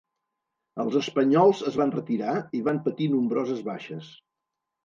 Els espanyols es van retirar i van patir nombroses baixes.